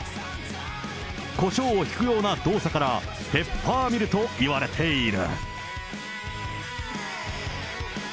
こしょうをひくような動作からペッパーミルと言われている。